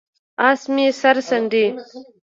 اس مې سر څنډي،